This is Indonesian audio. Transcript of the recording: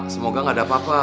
semoga gak ada apa apa